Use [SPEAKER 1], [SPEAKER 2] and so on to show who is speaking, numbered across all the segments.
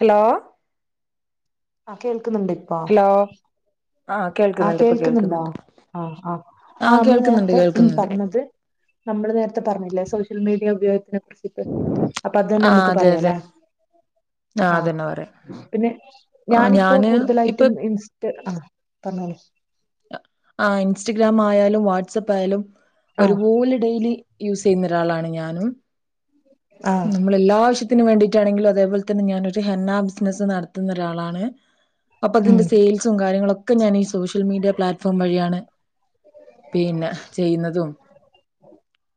[SPEAKER 1] Hello
[SPEAKER 2] ആഹ് കേൾക്ക്ന്നിണ്ട് ഇപ്പൊ
[SPEAKER 1] ഓ
[SPEAKER 2] ആഹ് കേൾക്കുന്നുണ്ടോ ആഹ് ആഹ് ആ
[SPEAKER 1] ആഹ്
[SPEAKER 2] അമ്മള്
[SPEAKER 1] കേൾക്കുന്നുണ്ട്
[SPEAKER 2] നേരത്തെ
[SPEAKER 1] കേൾക്കുന്നുണ്ട്
[SPEAKER 2] പറഞ്ഞത് നമ്മള് നേരത്തെ പറഞ്ഞില്ലേ സോഷ്യൽ മീഡിയ ഉപയോഗത്തിനെ കുറിച്ച് അപ്പൊ അത് ന്നെ
[SPEAKER 1] ആഹ്
[SPEAKER 2] മ്മക്ക്
[SPEAKER 1] അതെ അതെ
[SPEAKER 2] പറയാല്ലേ ആഹ്
[SPEAKER 1] അതന്നെ പറയാ
[SPEAKER 2] പിന്നെ ഞാനിപ്പോ
[SPEAKER 1] ഞാന് ഇപ്പൊ
[SPEAKER 2] കൂടുതലായിട്ടും ഇ റ്റ് ആഹ് പറഞ്ഞോളി
[SPEAKER 1] ആഹ് ഇൻസ്റ്റഗ്രാം ആയാലും വാട്സപ്പ് ആയാലും
[SPEAKER 2] ആഹ്
[SPEAKER 1] ഒരുപോലെ ഡെയിലി യൂസെയ്യുന്ന ഒരാളാണ് ഞാനും
[SPEAKER 2] ആഹ്
[SPEAKER 1] നമ്മൾ എല്ലാാവശ്യത്തിനന് വേണ്ടിയിട്ടാണെങ്കിലും അതേപോലെ തന്നെ ഞാനൊര് ഹെന്നാ ബിസിനസ്സ് നടത്തുന്ന ഒരാളാണ് അപ്പൊ
[SPEAKER 2] ഉം
[SPEAKER 1] അതിന്റെ സെയിൽസും കാര്യങ്ങളൊക്കെ ഞാൻ ഈ സോഷ്യൽ മീഡിയ പ്ലാറ്റ്ഫോം വഴിയാണ് പിന്നെ ചെയ്യുന്നതും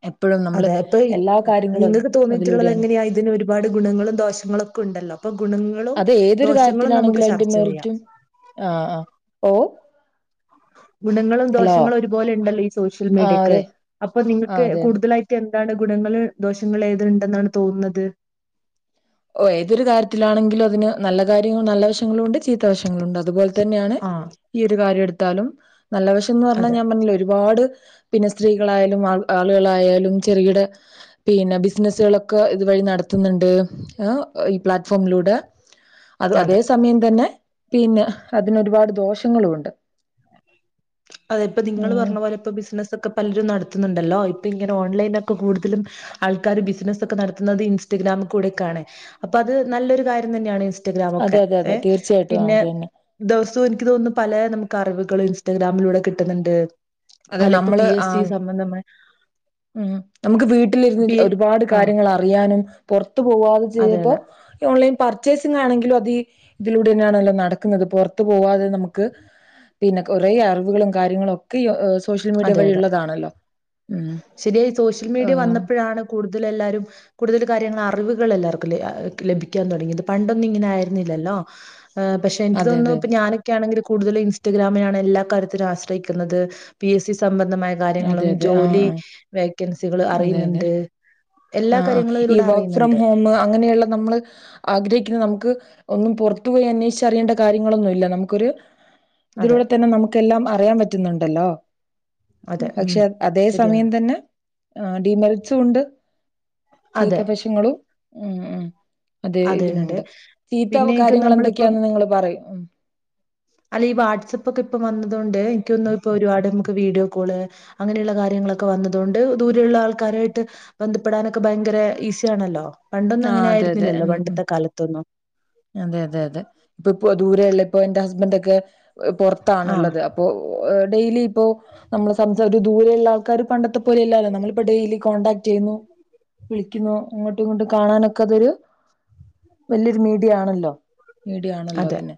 [SPEAKER 1] എപ്പോഴും നമ്മള് എല്ലാ കാര്യങ്ങളും
[SPEAKER 2] തോന്നിട്ടുള്ളത്
[SPEAKER 1] അതിലൂടെയാണ്
[SPEAKER 2] എങ്ങനെയാ ഇതിന് ഒരുപാട് ഗുണങ്ങളും ദോഷങ്ങളൊക്കെ ഉണ്ടല്ലോ അപ്പൊ ഗുണങ്ങളും
[SPEAKER 1] അത് ഏതൊരു
[SPEAKER 2] ദോഷങ്ങളും നമുക്ക്
[SPEAKER 1] കാര്യത്തിലാണെങ്കിലും അതിന്റെ
[SPEAKER 2] ചർച്ച ചെയ്യാം
[SPEAKER 1] മെറിറ്റും ആഹ് ആഹ് ഓ
[SPEAKER 2] ഗുണങ്ങളും
[SPEAKER 1] ഹലോ
[SPEAKER 2] ദോഷങ്ങളും ഒരുപോലെ ഉണ്ടല്ലോ ഈ സോഷ്യൽ
[SPEAKER 1] ആഹ്
[SPEAKER 2] മീഡിയക്ക്
[SPEAKER 1] ഒരു
[SPEAKER 2] അപ്പൊ നിങ്ങൾക്ക്
[SPEAKER 1] ആഹ് അതെ
[SPEAKER 2] കൂടുതലായിട്ട റ്റ് എന്താണ് ഗുണങ്ങള് ദോഷങ്ങള് ഏതുണ്ടെന്നാണ് തോന്നുന്നത്
[SPEAKER 1] ഓ ഏതൊരു കാര്യത്തിലാണെങ്കിലും അതിന് നല്ല കാര്യങ്ങള നല്ലവശങ്ങളുണ്ട് ചീ ദോഷങ്ങളുണ്ട് അതുപോലെ തന്നെയാണ്
[SPEAKER 2] ആ
[SPEAKER 1] ഈ ഒരു കാര്യം എടുത്താലും നല്ല വശ ത്ത് ന്ന് പറഞ്ഞ
[SPEAKER 2] അതെ
[SPEAKER 1] ഞാൻ പറഞ്ഞിലെ ഒരുപാട് പിന്നെ സ്ത്രീകളായാലും ആളുകളായാലും ചെറുകിട പിന്നെ ബിസിനസ്സുകളൊക്കെ ഇതുവഴി നടത്ത്ന്ന്ണ്ട് എഹ് ഈ പ്ലാറ്റ്ഫോമിലൂടെ അത്
[SPEAKER 2] അതെ
[SPEAKER 1] അതേ സമയം തന്നെ പിന്നെ അതിനൊരുപാട് ദോഷങ്ങളുണ്ട്
[SPEAKER 2] അതെ ഇപ്പൊ നിങ്ങള്
[SPEAKER 1] ഉം
[SPEAKER 2] പറഞ്ഞ പോലെ ഇപ്പ ബിസിനസൊക്കെ പ പലരും നടത്തുന്നുണ്ടല്ലോ ഇപ്പൊ ഇങ്ങനെ ഓൺലൈനൊക്കെ കൂടുതലും ആൾക്കാര് ബിസിനസ്സൊക്കെ നടത്തുന്നത് ഇൻസ്റ്റഗ്രാം കൂടെയൊക്കാണ് അപ്പൊ അത് നല്ലൊരു കാര്യം തന്നെയാണ് ഇ ൻസ്റ്റഗ്രാം
[SPEAKER 1] അതെ
[SPEAKER 2] ഒക്കെ
[SPEAKER 1] അതെ അതെ തീർച്ചയായിട്ടും
[SPEAKER 2] പിന്നെ
[SPEAKER 1] അത് തന്നെ
[SPEAKER 2] ദിവസവും എനിക്ക് തോന്നുന്നു പല നമുക്ക് അറിവുകളും ഇൻസ്റ്റാഗ്രാമിലൂടെ കിട്ടുന്നുണ്ട്
[SPEAKER 1] അതെ
[SPEAKER 2] അല്ല ഇപ്പൊ പി
[SPEAKER 1] നമ്മള്
[SPEAKER 2] എസ് സി
[SPEAKER 1] ആഹ്
[SPEAKER 2] സംബന്ധമായ
[SPEAKER 1] ഉം നമുക്ക് വീട്ടിലിരുന്ന്
[SPEAKER 2] പി
[SPEAKER 1] ഒരുപാട്
[SPEAKER 2] ആ
[SPEAKER 1] കാര്യങ്ങൾ അറിയാനും പുറത്തു പോവാതെ
[SPEAKER 2] അതെ
[SPEAKER 1] ചെയ്പ്പോ
[SPEAKER 2] അതെ
[SPEAKER 1] ഈ ഓൺലൈൻ പർച്ചേസിംഗണെങ്കിലും അത് ഇതിലൂടെ തന്നെയാണല്ലോ നടക്കുന്നത് പുറത്തു പോവാതെ നമുക്ക് പിന്നെ കൊറെ അറിവുകളും കാര്യങ്ങളും ഒക്കെ ഈ സോഷ്യൽ മീഡിയ വഴിള്ളതാണല്ലോ ഉം
[SPEAKER 2] ശരിയ സോഷ്യൽ മീഡിയ
[SPEAKER 1] ആഹ്
[SPEAKER 2] വന്നപ്പോഴാണ് കൂടുതൽ എല്ലാരും കൂടുതൽ കാര്യങ്ങൾ അറിവുകൾ എല്ലാവർക്കും ലഭിക്കാൻ തുടങ്ങിത് പണ്ടൊന്നും ഇങ്ങനെ ആയിരുന്നില്ലല്ലോ പക്ഷെ എനിക്ക്
[SPEAKER 1] അതെ
[SPEAKER 2] തോന്നും
[SPEAKER 1] അതെ
[SPEAKER 2] ഇപ്പോ ഞാനൊക്കെയാണെങ്കിൽ കൂടുതലും ഇൻസ്റ്റഗ്രാമിനാണ് എല്ലാ കാര്യനും ആശ്രയിക്കുന്നത് പി എസ് സി സംബന്ധമായ കാര്യങ്ങളും
[SPEAKER 1] അതെ അതെ അതെ ആഹ്
[SPEAKER 2] ജോലി
[SPEAKER 1] ആഹ്
[SPEAKER 2] വേക്കൻസികള്
[SPEAKER 1] അതെ അതെ
[SPEAKER 2] അറിയുന്നുണ്ട് എല്ലാ
[SPEAKER 1] ആഹ് ആഹ്
[SPEAKER 2] കാര്യങ്ങളും
[SPEAKER 1] ഈ
[SPEAKER 2] ഇതിലൂടെ
[SPEAKER 1] വർക്ക് ഫ്രം
[SPEAKER 2] അറിയുന്നുണ്ട്
[SPEAKER 1] ഹോം അങ്ങനെയുള്ള നമ്മള് ആഗ്രഹിക്കുന്ന നമുക്ക് ഒന്നും പുറത്തു പോയി അന്വേഷിച്ച് അറിയേണ്ട കാര്യങ്ങളൊന്നുവില്ല നമുക്കൊരു
[SPEAKER 2] അതെ
[SPEAKER 1] ഇതിലൂടെ തന്നെ നമുക്കെല്ലാം അറിയാൻ പറ്റുന്നുണ്ടല്ലോ
[SPEAKER 2] അതെ ഉം
[SPEAKER 1] പക്ഷെ അതേ
[SPEAKER 2] ശരിയാണ്
[SPEAKER 1] സമയം തന്നെ ആഹ് ഡീമെറിറ്റ്സും ഉണ്ട് ചീത്ത
[SPEAKER 2] അതെ
[SPEAKER 1] വശങ്ങളും ഉം ഉം അതെ ഇതിനുണ്ട് ചീത്ത
[SPEAKER 2] പിന്നെ എനിക്കും
[SPEAKER 1] കാര്യങ്ങൾ
[SPEAKER 2] നമ്മളിപ്പോ
[SPEAKER 1] എന്തേക്കെയാന്ന് നിങ്ങള് പറ യ്
[SPEAKER 2] അല്ല ഈ വാട്സപ്പൊക്കെ പ്പൊ വന്നത് കൊണ്ട് ഇൻക്ക് തോന്നുന്നു ഇപ്പൊ ഒരുപാട് നമുക്ക് വീഡിയോ കോള് അങ്ങനെയുള്ള കാര്യങ്ങളൊക്കെ വന്നത് കൊണ്ട് ദൂരെയുള്ള ആൾക്കാരായിട്ട് ബന്ധപ്പെടാനൊക്കെ ഭയങ്കര ഈസിയാണല്ലോ പണ്ടൊന്നും അങ്ങനെ ആയിര്
[SPEAKER 1] തെ ഉം അതെ അതെ അതെ പ്പ പ്പൊ ദൂരെ ഉള്ള ഇപ്പോ ഇന്റെ ഹസ്‌ബന്റൊക്കെ
[SPEAKER 2] ആ
[SPEAKER 1] പൊർത്താണ്ള്ളത് പ്പൊ ഡെയിലി ഇപ്പോ നമ്മള് സംസാ ദൂരയുള്ള ആൾക്കാര് പണ്ടത്തെ പോലെയല്ലല്ലോ നമ്മള് ഇപ്പൊ ഡെയിലി കോണ്ടാക്ട് ചെയ്യുന്നു വിളിക്കുന്നു അങ്ങോട്ടുഇങ്ങോട്ട് കാണാനൊക്കെ തൊരു വല്ല്യരു മീഡിയ ആണല്ലോ മീഡിയ ആണല്ലോ
[SPEAKER 2] അതെ
[SPEAKER 1] പിന്നെ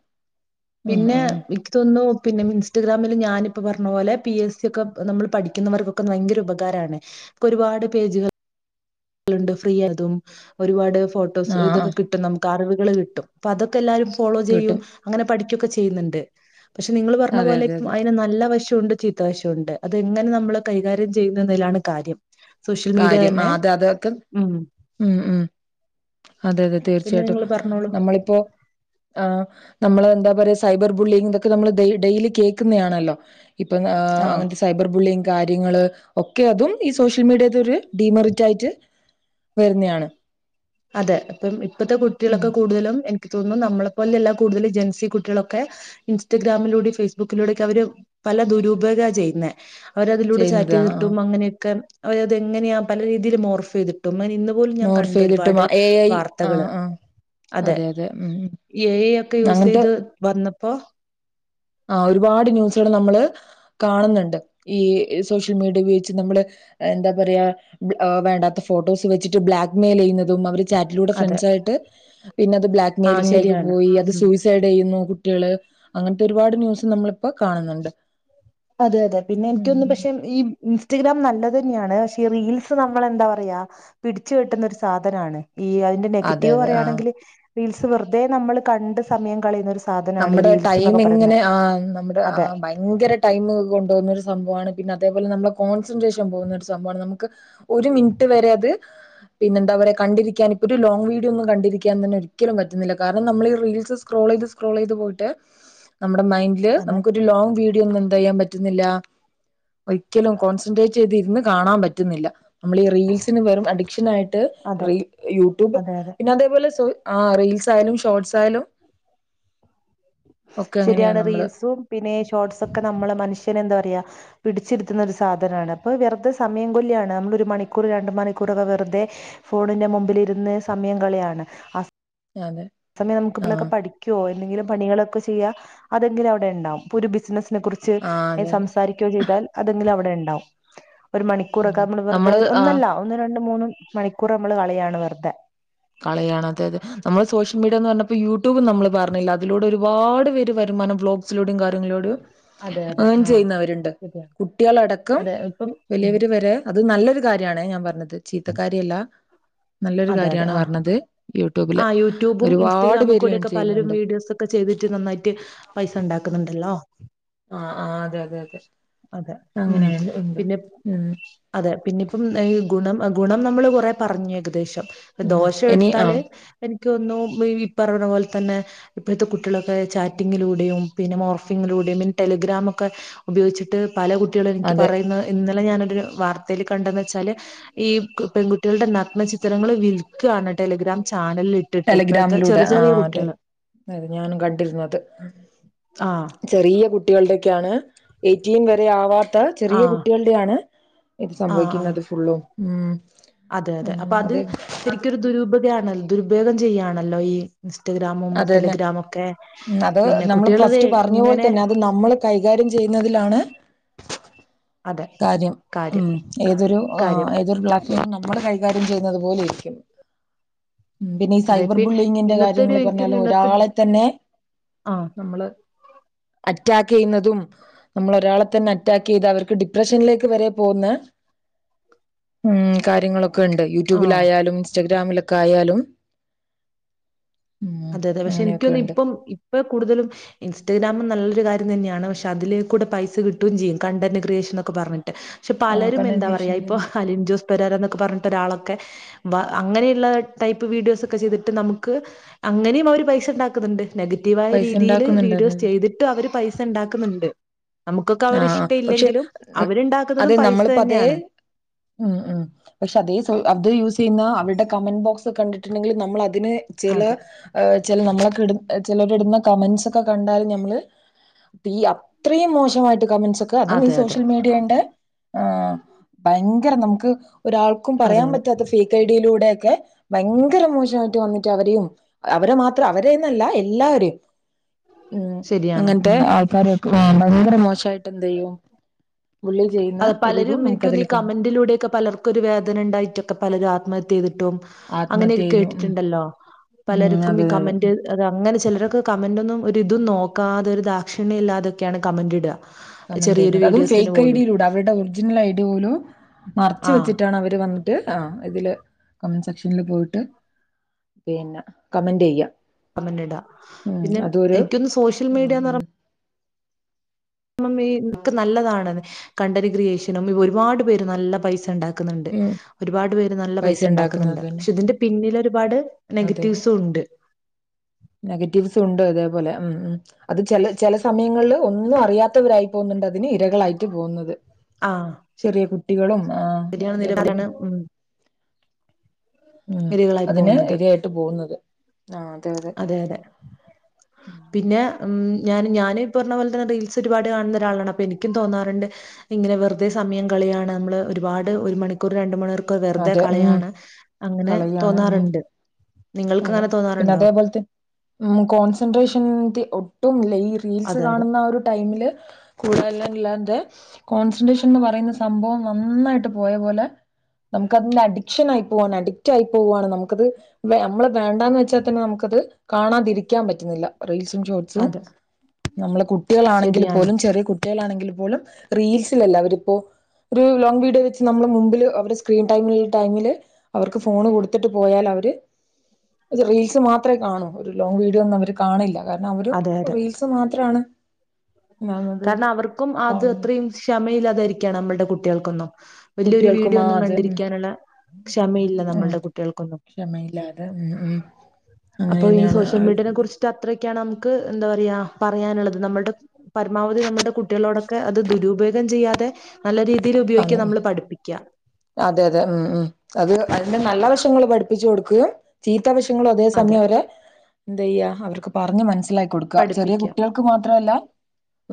[SPEAKER 1] ആ
[SPEAKER 2] പിന്നെ
[SPEAKER 1] ആ
[SPEAKER 2] എനിക്ക് തോന്നുന്നു പിന്നെ ഇൻസ്റ്റഗ്രാമില് ഞാനിപ്പ പർഞ്ഞ പോലെ പി എസ് സി ഒക്കെ നമ്മള് പഠിക്കുന്നവർക്കൊക്കെ ഭയങ്കര ഉപകാരാണ് ക്കൊ ഒരുപാട് പേജുകൾ ണ്ട് ഫ്രീ അതും ഒരുപാട്
[SPEAKER 1] ആ
[SPEAKER 2] ഫോട്ടോസ്
[SPEAKER 1] ആ
[SPEAKER 2] ഇതൊക്കെ കിട്ടും നമുക്ക് അറിവുകള് കിട്ടും പ്പ അതൊക്കെ എല്ലാരും ഫോളോ ചെയ്യും
[SPEAKER 1] കിട്ടും
[SPEAKER 2] അങ്ങനെ പഠിക്കൊക്കെ ചെയ്യുന്ന്ണ്ട് പക്ഷെ നിങ്ങള് പർഞ്ഞ
[SPEAKER 1] അതെ
[SPEAKER 2] പോലെ
[SPEAKER 1] അതെ അതെ
[SPEAKER 2] അയിന് നല്ല വശണ്ട് ചീ ത്ത വശണ്ട് അതെങ്ങനെ നമ്മള് കൈകാര്യം ചെയ്യുന്നതിലാണ് കാര്യം സോഷ്യൽ മീഡിയ
[SPEAKER 1] കാര്യം ആ
[SPEAKER 2] ന്നെ
[SPEAKER 1] അത് അതൊക്കെ ഉം ഉം അതെ അതെ
[SPEAKER 2] പിന്നെ
[SPEAKER 1] തീർച്ചയായിട്ടും
[SPEAKER 2] നിങ്ങൾ പറഞ്ഞോളൂ
[SPEAKER 1] നമ്മളിപ്പോ ആ നമ്മള് എന്താ പറയാ സൈബർ ബുള്ളിങ് ഇതൊക്കെ നമ്മള് ഡെയിലി കേക്കുന്നെയാ ണല്ലോ ഇപ്പം ആ
[SPEAKER 2] ആഹ്
[SPEAKER 1] അങ്ങൻത്തെ സൈബർ ബുള്ളിങ് കാര്യങ്ങള് ഒക്കെ അതും ഈ സോഷ്യൽ മീഡിയ ഇതരു ഡീമറിറ്റ് ആയിട്ട് വരുന്നെയാണ്
[SPEAKER 2] അതെ അപ്പം ഇപ്പത്തെ
[SPEAKER 1] ഉം
[SPEAKER 2] കുട്ടിയളൊക്കെ കൂടുതലും ക് തോന്നുന്നു നമ്മളെ പോലെല്ല കൂടുതൽ ജെൻസി കുട്ടിയളൊക്കെ ഇൻസ്റ്റഗ്രാമിലൂടിം ഫേസ്ബുക്കിലൂടെക്കെ അവര് പല ദുരുപയോഗ ചെയ്യന്ന അവരതിലൂടെ ചാറ്റ്
[SPEAKER 1] ചെയ്യുന്നത് ആഹ് ആഹ്
[SPEAKER 2] ചെയ്തിട്ടും അങ്ങനെയൊക്കെ അവരത് എങ്ങനെയാ പല രീതില് മോർഫ് ചെയ്തിട്ടും അയിന് ഇന്നും പോൽ ഞാൻ
[SPEAKER 1] മോർഫ്
[SPEAKER 2] കണ്ടൊരു
[SPEAKER 1] ചെയ്തിട്ടും
[SPEAKER 2] പാട്
[SPEAKER 1] എ ഐ
[SPEAKER 2] വർത്തകള്
[SPEAKER 1] ആഹ് ആഹ്
[SPEAKER 2] അതെ എ ഐ യൊക്കെ
[SPEAKER 1] അങ്ങനത്തെ
[SPEAKER 2] യൂസയ്ത് വന്നപ്പോ
[SPEAKER 1] ആ ഒരുപാട് ന്യൂസുകള് നമ്മള് കാണുന്നുണ്ട് ഈ സോഷ്യൽ മീഡിയ ഉപയോഗിച്ച് നമ്മള് എന്താ പറയാ വേണ്ടാത്ത ഫോട്ടോസ് വെച്ചിട്ട് ബ്ലാക്ക് മെയിൽ ചെയ്യുന്നതും അവര് ചാറ്റിലൂടെ
[SPEAKER 2] അതെ
[SPEAKER 1] ഫ്രണ്ട്‌സ് ആയിട്ട് പിന്നെ അത് ബ്ലാക്ക്
[SPEAKER 2] ആ
[SPEAKER 1] മെയിങ്ലേക്
[SPEAKER 2] ശരിയാണ്
[SPEAKER 1] പോയി അത്
[SPEAKER 2] ഉം
[SPEAKER 1] സൂയിസൈ സൈഡ് ചെയ്യുന്നു കുട്ടികള് അങ്ങനത്തെ ഒരുപാട് ന്യൂസ് നമ്മളിപ്പോ കാണുന്നുണ്ട്
[SPEAKER 2] അതെ അതെ പിന്നെ ഇൻക്ക് തോന്നുന്നു
[SPEAKER 1] ഉം
[SPEAKER 2] പക്ഷെ ഈ ഇൻസ്റ്റഗ്രാം നല്ലത ന്നെയാണ് പക്ഷെഈ റീൽസ് നമ്മള് എന്താ പറയാ പിടിച്ചു കെട്ടുന്ന ഒരു സാധനാണ് ഈ
[SPEAKER 1] അതെ
[SPEAKER 2] നെഗറ്റീവ്
[SPEAKER 1] അതെ ആഹ്
[SPEAKER 2] പറയാണെങ്കില് റീൽസ് വെർതെ നമ്മള് കണ്ട് സമയം കളിണരു സ്
[SPEAKER 1] നമ്മുടെ ടൈമ് ഇങ്ങനെ ആ നമ്മുടെ ആ
[SPEAKER 2] അതെ
[SPEAKER 1] ഭ യങ്കര ടൈമ് കൊണ്ടു പോവുന്ന ഒരു സംഭവാണ് പിന്നെ അതേപോലെ നമ്മളെ കോൺസെൻട്രേഷൻ പോവുന്നൊരു സംഭവാണ് നമുക്ക് ഒരു മിൻറ്റ് വരെ അത് പിന്നെ എന്താ പറയാ കണ്ടിരിക്കാൻ ഇപ്പൊ ഒരു ലോങ് വീഡിയോ ഒന്നും കണ്ടിരിക്കാൻ തന്നെ ഒരിക്കലും പറ്റുന്നില്ല കാരണം നമ്മള് റീൽസ് സ്ക്രോൾ ചെയ്ത് ക്രോൾ ചെയ്ത് പോയിട്ട് നമ്മുടെ മൈൻഡില്
[SPEAKER 2] അതെ
[SPEAKER 1] നമുക്കൊരു ലോങ്ങ് വീഡിയോ ഒന്നും എന്ത ചെയ്യാൻ പറ്റുന്നില്ല ഒരിക്കലും കോൺസെൻട്രേറ്റ് ചെയ്ത് ഇര്ന്ന് കാണാം പറ്റുന്നില്ല നമ്മള് ഈ റീൽസിന് വെറും അഡിക്ഷൻ ആയിട്ട്
[SPEAKER 2] അതെ
[SPEAKER 1] യൂട്യൂബ്
[SPEAKER 2] അതെ അതെ
[SPEAKER 1] പിന്നെ അതേപോലെ ആ റീൽസായാലും ഷോർട്ട്സ് ആയാലും ഒക്കെ
[SPEAKER 2] ശരിയാണ്
[SPEAKER 1] അങ്ങനെയാണ് നമ്മള്
[SPEAKER 2] റീൽസും പിന്നെ ഈ ഷോർട്സോക്കെ നമ്മള മനുഷ്യന് എന്താ പറയാ പിടിച്ചിര്ത്തുന്ന ഒരു സാധനാണ് അപ്പോ വെർതെ സമയം കൊല്ല്യാണ് നമ്മളൊരു മണിക്കൂർ രണ്ട് മണിക്കൂറൊക്കെ വെർതെ ഫോണിന്റെ മുമ്പിലിര്ന്ന സമയം കള യാണ്
[SPEAKER 1] അതെ
[SPEAKER 2] സമയം നമുക്ക് [unintelligible] പഠിക്കൊ എന്തെിലും പണികളോക്കെ ചെയ്യാ അതെങ്കില് അവിടെണ്ടാവും ഇപ്പ ഒരു ബിസിനസിനെ കുർ ച്
[SPEAKER 1] ആഹ് അതെ
[SPEAKER 2] സംസാരിക്ക്യോ ചെയ്താൽ അതെങ്കിലും അവടെണ്ടാവും ഒരു മണിക്കൂറൊക്കെ
[SPEAKER 1] അതെ
[SPEAKER 2] നമ്മള് വെറുതെ
[SPEAKER 1] ആഹ്
[SPEAKER 2] ഒന്നല്ല ഒന്ന് രണ്ട് മൂന്ന് മണിക്കൂർ നമ്മള് കളയാണ് വെറുതെ
[SPEAKER 1] കളയാണ അതെ അതെ നമ്മള് സോഷ്യൽ മീഡിയ എന്ന് പറഞ്ഞപ്പോ യൂട്യൂബ നമ്മള് പറഞ്ഞില്ല അതിലൂടെ ഒരുപാട് പേര് വരുമാനം ബ്ലോഗ് ബസിലൂടെയും കാര്ങ്ങളിലൂടെയും
[SPEAKER 2] അതെ അതെ
[SPEAKER 1] ഏൺ
[SPEAKER 2] ആഹ്
[SPEAKER 1] ചെയ്യുന്നവരുണ്ട്
[SPEAKER 2] ശരിയാ
[SPEAKER 1] കുട്ടികളടക്കം
[SPEAKER 2] അതെ ഇപ്പം ഉം
[SPEAKER 1] വലിയവര് വരെ അത് നല്ലൊരു കാര്യമാണേ ഞാൻ പറഞ്ഞത് ചീത്തക്കാരിയല്ല നല്ലൊരു
[SPEAKER 2] അതെ അതെ
[SPEAKER 1] കാര്യമാണ്
[SPEAKER 2] ആഹ്
[SPEAKER 1] പറഞ്ഞത് യൂട്യൂബില്
[SPEAKER 2] ആഹ് യൂട്യൂബും
[SPEAKER 1] ഒരുപാട്
[SPEAKER 2] ഇൻസ്റ്റഗ്രാമിൽ
[SPEAKER 1] പേര് ഏൺ
[SPEAKER 2] കൂടെയൊക്കെ പലരും
[SPEAKER 1] ചെയ്യുന്നുണ്ട്
[SPEAKER 2] വീഡിയോസ് ഒക്കെ ചെയ്തിട്ട് നന്നായിട്ട് പൈസ ഉണ്ടാക്കുന്നുണ്ടല്ലോ
[SPEAKER 1] ആഹ് ആഹ് അതെ അതെ
[SPEAKER 2] അതെ ഉം
[SPEAKER 1] അങ്ങനെയ ഉണ്ട്
[SPEAKER 2] പിന്നെ
[SPEAKER 1] ഉം
[SPEAKER 2] അതെ പിന്നെപ്പം ഗുണം ഗുണം നമ്മള് കുറെ പറഞ്ഞു ഏകദേശം
[SPEAKER 1] ആഹ്
[SPEAKER 2] ദോഷം
[SPEAKER 1] ഇനി
[SPEAKER 2] എടുത്താല്
[SPEAKER 1] ആഹ്
[SPEAKER 2] എനിക്ക് തോന്നുന്നു ഈ പറഞ്ഞ പോലെ തന്നെ ഇപ്പോഴത്തെ കുട്ടികളൊക്കെ ചാറ്റിങ്ങിലൂടെയും പിന്നെ മോർഫിങ്ങിലൂടെയും പിന്നെ ടെലിഗ്രാം ഒക്കെ ഉപയോഗിച്ചിട്ട് പല കുട്ടികളും എനിക്ക്
[SPEAKER 1] അതെ
[SPEAKER 2] പറയുന്നത് ഇന്നലെ ഞാനൊരു വാർത്തയിൽ കണ്ടെന്ന് വെച്ചാൽ ഈ പെൺകുട്ടികളുടെ നഗ്ന ചിത്രങ്ങൾ വിൽക്കുകയാണ് ടെലിഗ്രാം ചാനലിൽ ഇട്ടിട്ട് ഇപ്പോഴത്തെ
[SPEAKER 1] ടെലിഗ്രാമിലൂടെ
[SPEAKER 2] ചെറിയ ചെറിയ
[SPEAKER 1] ആഹ് അതെ
[SPEAKER 2] കുട്ടികള്
[SPEAKER 1] ഞാനും കണ്ടിരുന്നു അത്
[SPEAKER 2] ആഹ്
[SPEAKER 1] ചെറിയ കുട്ടികളുടെയൊക്കെയാണ് എയ്റ്റീൻ വരെ ആവാത്ത ചെറിയ
[SPEAKER 2] ആഹ്
[SPEAKER 1] കുട്ടികളുടെയാണ് ഇത്
[SPEAKER 2] ആഹ് ആഹ്
[SPEAKER 1] സംഭവിക്കുന്നത് ഫുള്ളും ഉം
[SPEAKER 2] അതെ അതെ അപ്പൊ അത് ശരിക്കരു ദുരുപകയാണല്ലോ ദുരുപയോഗം ചെയ്യുകയാണല്ലോ ഈ ഇൻസ്റ്റഗ്രാമും
[SPEAKER 1] അതന്നെ
[SPEAKER 2] ടെലിഗ്രാമ ഒക്കെ
[SPEAKER 1] ഉം അത്
[SPEAKER 2] പിന്നെ
[SPEAKER 1] നമ്മള്
[SPEAKER 2] കുട്ടികൾത്
[SPEAKER 1] ഫസ്റ്റ് പറഞ്ഞ പോലെ
[SPEAKER 2] ഇങ്ങനെ
[SPEAKER 1] തന്നെ അത് നമ്മള് കൈകാര്യം ചെയ്യുന്നതിലാണ്
[SPEAKER 2] അതെ
[SPEAKER 1] കാര്യം
[SPEAKER 2] കാര്യം
[SPEAKER 1] ഉം ഏതൊരു
[SPEAKER 2] കാര്യം
[SPEAKER 1] ഏതൊരു ബ്ലാക്ക് നമ്മള് കൈകാര്യം ചെയ്യുന്നത് പോലെ ഇരിക്കും ഉം പിന്നെ ഈ
[SPEAKER 2] അതെ
[SPEAKER 1] സൈബർ
[SPEAKER 2] ഇപ്പ
[SPEAKER 1] ബുള്ളിങ്ങിന്റെ
[SPEAKER 2] ഇന്നത്തെ ഒരു
[SPEAKER 1] കാര്യങ്ങൾ
[SPEAKER 2] എനിക്കൊന്ന്
[SPEAKER 1] പറഞ്ഞാലും
[SPEAKER 2] ഇന്നത്തെ
[SPEAKER 1] ഒരാളെ തന്നെ
[SPEAKER 2] ആഹ്
[SPEAKER 1] നമ്മള് അറ്റാക്ക് ചെയ്യുന്നതും നമ്മൾ ഒരാളെ തന്നെ അറ്റാക്ക് ചെയ്ത് അവർക്ക് ഡി ഡിപ്രഷനിലേക്ക് വരെ പോകുന്ന ഉം കാര്യങ്ങളൊക്കെ ഉണ്ട്
[SPEAKER 2] ആഹ്
[SPEAKER 1] യൂട്യൂബിലായാലും ഇൻസ്റ്റഗ്രാമിലൊക്കെ ആയാലും ഉം
[SPEAKER 2] അതെ അതെ പക്ഷെ
[SPEAKER 1] അങ്ങനെയൊക്കെ
[SPEAKER 2] എനിക്കൊന്ന്
[SPEAKER 1] ഉണ്ട്
[SPEAKER 2] ഇപ്പം ഇപ്പ കൂടുതലും ഇൻസ്റ്റഗ്രാാം നല്ലൊരു കാര്യം തന്നെയാണ് പക്ഷെ അതിൽ കൂടെ പൈസ കിട്ടുകയും ചെയ്യും കണ്ടന്റ് ക്രിയേഷനൊക്കെ പറഞ്ഞിട്ട് പക്ഷെ
[SPEAKER 1] ആഹ്
[SPEAKER 2] പലരും
[SPEAKER 1] കണ്ടന്റ്
[SPEAKER 2] എന്താ പറയാ ഇപ്പൊ
[SPEAKER 1] ക്രിയേഷൻ
[SPEAKER 2] അലിൻ ജോസ് പെരാർ എന്നൊക്കെ പറഞ്ഞിട്ട് ഒരാളൊക്കെ വ അങ്ങനെയുള്ള ടൈപ്പ് വീഡിയോസ് ഒക്കെ ചെയ്തിട്ട് നമുക്ക് അങ്ങനെയും അവര് പൈസ ഉണ്ടാക്കുന്നുണ്ട് നെഗറ്റീവായ
[SPEAKER 1] പൈസ
[SPEAKER 2] രീതിയിൽ
[SPEAKER 1] ഉണ്ടാക്കുന്നുണ്ടത്
[SPEAKER 2] വീഡിയോസ് ചെയ്തിട്ട് ഇട്ടും അവര് പൈസ ഉണ്ടാക്കുന്നുണ്ട് നമുക്കൊക്കെ
[SPEAKER 1] ആഹ്
[SPEAKER 2] അവരിഷ്ട
[SPEAKER 1] പക്ഷെ
[SPEAKER 2] ഇല്ലെങ്കിലും
[SPEAKER 1] അതെ
[SPEAKER 2] അവരുണ്ടാക്കുന്നതും പൈസ
[SPEAKER 1] നമ്മളിപ്പോ അതേ
[SPEAKER 2] തന്നെയാണ്
[SPEAKER 1] ഉം ഉം പക്ഷെ അതേ അത് യൂസ് ചെയ്യുന്ന അവരുടെ കമന്റ് ബോക്സ് കണ്ടിട്ടുണ്ടെങ്കിൽ നമ്മൾ അതിന് ചില
[SPEAKER 2] അതെ
[SPEAKER 1] ചില നമ്മളൊക്കെ ഇ ചിലർ ഇടുന്ന കമന്റ്സ് ഒക്കെ കണ്ടാലും നമ്മള് [unintelligible] അത്രയും മോശം ായിട്ട് കമന്റ്സ് ഒക്കെ അതും ഈ
[SPEAKER 2] അതെ അതെ
[SPEAKER 1] സോഷ്യൽ മീഡിയന്റെ ഭയങ്കര നമുക്ക് ഒരാൾക്കും
[SPEAKER 2] അതെ
[SPEAKER 1] പറയാൻ
[SPEAKER 2] അതെ
[SPEAKER 1] പറ്റാത്ത ഫേക്ക് ഐ ഡിയിലൂടെ ഒക്കെ ഭയങ്കര മോശമായിട്ട് വന്നിട്ട് അവരെയും അവരെ മാത്രം അവരെന്നല്ല എല്ലാരെയും
[SPEAKER 2] [inaudible]
[SPEAKER 1] ഉം
[SPEAKER 2] ശരിയാണ്
[SPEAKER 1] അങ്ങനത്തെ
[SPEAKER 2] ഉം
[SPEAKER 1] ആൾക്കാരൊക്കെ ഭയങ്കര മോശായിട്ട് എന്ത്‌ ചെയ്യും ബുള്ളി ചെയ്യുന്ന
[SPEAKER 2] അ
[SPEAKER 1] ഒരു
[SPEAKER 2] പലരും
[SPEAKER 1] ഇതും
[SPEAKER 2] എനിക്ക്
[SPEAKER 1] നമുക്കതിൽ
[SPEAKER 2] തോന്നുന്നു ഈ
[SPEAKER 1] കാണാം
[SPEAKER 2] കമന്റിലൂടെയൊക്കെ പലർക്കൊരു വേദന ഉണ്ടായിട്ടൊക്കെ പലര് ആത്മഹത്യ ചെയ്തിട്ടും
[SPEAKER 1] ആത്മഹത്യ
[SPEAKER 2] അങ്ങനെയൊക്കെ
[SPEAKER 1] ചെയ്യുന്നു ഉം
[SPEAKER 2] കേട്ടിട്ടുണ്ടല്ലോ
[SPEAKER 1] ഉം
[SPEAKER 2] പലർക്കും
[SPEAKER 1] അതെ
[SPEAKER 2] ഈ
[SPEAKER 1] അതെ
[SPEAKER 2] കമന്റ് അത അങ്ങനെ ചിലരൊക്കെ കമന്റൊന്നും ഒരു ഇതും നോക്കാതെ ഒരു ദാക്ഷണ്യം ഇല്ലാതൊക്കെയാണ് കമന്റ് ഇടുക
[SPEAKER 1] കമന്റ്
[SPEAKER 2] ചെറിയൊരു
[SPEAKER 1] ചെയ്യുന്നത് അതും
[SPEAKER 2] വീഡിയോസിന്
[SPEAKER 1] ഫേക്ക്
[SPEAKER 2] പോലും
[SPEAKER 1] ഐഡിയിലൂടെ അവരുടെ ഒറിജിനൽ ഐഡി പോലും മറച്ച്
[SPEAKER 2] ആ
[SPEAKER 1] വെച്ചിട്ടാണ് അവര് വ ആഹ് ഇതില് കമന്റ് സെക്ഷനിൽ പോയിട്ട് പിന്നെ കമന്റ് ചെയ്യാം
[SPEAKER 2] കമന്റിടാ
[SPEAKER 1] ഉം
[SPEAKER 2] പിന്നെ
[SPEAKER 1] അതൊരു
[SPEAKER 2] എനിക്കൊന്ന് സോഷ്യൽ
[SPEAKER 1] ഉം
[SPEAKER 2] മീഡിയന്ന് പറ് ഇക്ക് നല്ലതാണ് കണ്ടന്റ് ക്രിയേഷനും ഒരുപാട് പേര് നല്ല പൈസ ഉണ്ടാക്കും ആക്കുന്നുണ്ട്
[SPEAKER 1] ഉം
[SPEAKER 2] ഒരുപാട് പേര് നല്ല പൈസ ഉണ്ടാക്കുന്നുണ്ട്
[SPEAKER 1] ഉണ്ടാക്കുന്നത് തന്നെ
[SPEAKER 2] പക്ഷെ ഇതിന്റെ പിന്നിൽ ഒരുപാട്
[SPEAKER 1] അതെ അതെ
[SPEAKER 2] നെഗറ്റീവ്സും ഉണ്ട്
[SPEAKER 1] നെഗറ്റീവ്സ് ഉണ്ട് അതേപോലെ ഉം ഉം അത് ചില ചില സമയങ്ങളിൽ ഒന്നും അറിയാത്തവരായി പോകുന്നുണ്ട് അതിന് ഇരകളായിട്ട് പോകുന്നത്
[SPEAKER 2] ആഹ്
[SPEAKER 1] ചെറിയ കുട്ടികളും ആ
[SPEAKER 2] ശരിയാണ്
[SPEAKER 1] അതേപോലെ
[SPEAKER 2] നിരവധിയാണ് ഉം ഇരകളായി
[SPEAKER 1] അതിന്
[SPEAKER 2] പോകുന്നത്
[SPEAKER 1] ഇരയായിട്ട് പോകുന്നത് ആ അതെ അതെ
[SPEAKER 2] അതെ അതെ പിന്നെ ഞാന് ഞാനീപറഞ്ഞപോലെ തന്നെ റീൽസ് ഒരുപാട് കാണുന്ന ഒരാളാണ് അപ്പൊ എനിക്കും തോന്നാറുണ്ട് ഇങ്ങനെ വെറുതെ സമയം കളയാണ് നമ്മള് ഒരുപാട് ഒരു മണിക്കൂർ രണ്ടു മണിക്കൂർ ക്കെ വെറുതെ
[SPEAKER 1] അതെ ഉം
[SPEAKER 2] കളയാണ് അങ്ങനെ
[SPEAKER 1] കളയാണ് ഉം
[SPEAKER 2] തോന്നാറുണ്ട് നിങ്ങൾക്ക് അങ്ങനെ തോന്നാറുണ്ടോ?
[SPEAKER 1] അതുപോലെതന്നെ കോൺസെൻട്രേഷൻ ഒട്ടും ഇല്ല ഈ റീൽസ്
[SPEAKER 2] അതെ അതെ
[SPEAKER 1] കാണുന്ന ആ ഒരു ടൈമില് കൂടോല്ലും ഇല്ലാത്തെ കോൺസെൻട്രേഷൻ എന്ന് പറയുന്ന സംഭവം നന്നായിട്ട് പോയ പോലെ നമുക്ക് അതിന്റെ അഡിക്ഷൻ ആയി പോവാ അഡിക്റ്റ് ആയി പോവാണ് നമുക്കത് നമ്മൾ വേണ്ടന്ന് വെച്ചാൽ തന്നെ നമുക്കത് കാണാതിരിക്കാൻ പറ്റുന്നില്ല റീൽസും ഷോർട്സും
[SPEAKER 2] അതെ
[SPEAKER 1] നമ്മളെ കുട്ടികളാണെങ്കിൽ
[SPEAKER 2] ശരിയാണ്
[SPEAKER 1] പോലും ചെറിയ കുട്ടികളാണെങ്കിൽ പോലും റീൽസിലല്ലേ അവരിപ്പോ ഒരു ലോങ് വീഡിയോ വെച്ച് നമ്മള് മുമ്പില് അവടെ സ്ക്രീൻ ടൈമുള്ള ടൈമില് അവർക്ക് ഫോണ് കൊടുത്തിട്ട് പോയാൽ അവര് റീൽസ് മാത്രമേ കാണൂ ഒരു ലോങ് വീഡിയോ ഒന്നും അവര് കാണില്ല കാരണം അവര്
[SPEAKER 2] അതെ അതെ
[SPEAKER 1] റീൽസ് മാത്രമാണ് ഒന്നാമത്
[SPEAKER 2] കാരണം അവർക്കും അത്
[SPEAKER 1] കാണുന്നത്
[SPEAKER 2] അത്രയും ക്ഷമയില്ലാതെയിരിക്കയാണ് നമ്മളുടെ കുട്ടികൾക്കൊന്നും വലിയൊരു
[SPEAKER 1] കുട്ടികൾക്ക്
[SPEAKER 2] വീഡിയോ ഒന്നും
[SPEAKER 1] മാത് ഉം
[SPEAKER 2] കണ്ടിരിക്കാനുള്ള ക്ഷമയില്ല
[SPEAKER 1] ഉം
[SPEAKER 2] നമ്മളുടെ കുട്ടികൾക്കൊന്നും
[SPEAKER 1] ക്ഷമയില്ലാതെ ഉം ഉം അങ്ങനെ
[SPEAKER 2] അപ്പൊ ഈ
[SPEAKER 1] തന്നെയാണ്
[SPEAKER 2] സോഷ്യൽ മീഡിയേനെ
[SPEAKER 1] ഇത്
[SPEAKER 2] കുറിച്ചിട്ട് അത്രൊക്കയാണ് നമുക്ക് എന്താ പറയാ പറയാനുള്ളത് നമ്മളുടെ പരമാവധി നമ്മളുടെ കുട്ടികളോടൊക്കെ അത് ദുരുപയോഗം ചെയ്യാതെ നല്ല രീതിയിൽ ഉപയോഗിക്കുക നമ്മള് പഠിപ്പിക്കുക
[SPEAKER 1] അതെ അതെ ഉം ഉം അത് അതിന്റെ നല്ല വശങ്ങൾ പഠിപ്പിച്ച്കൊടുക്കുകയും ചീത്ത വശങ്ങളും അതേ
[SPEAKER 2] അതെ
[SPEAKER 1] സമയം അവരെ എന്തയ്യ അവർക്ക് പറഞ്ഞ് മനസ്സിലാക്കി കൊടുക്കുക ചെറിയ
[SPEAKER 2] പഠിപ്പിക്കുക
[SPEAKER 1] കുട്ടികൾക്ക് അത് മാത്രംല്ല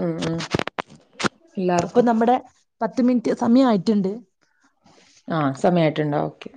[SPEAKER 1] ഉം
[SPEAKER 2] അപ്പൊ
[SPEAKER 1] എല്ലാർക്കും
[SPEAKER 2] നമ്മുടെ പത്ത് മിനിറ്റ് സമയം ആയിട്ടുണ്ട്
[SPEAKER 1] ആ സമയമായിട്ട്ണ്ടാ ഓക്കെ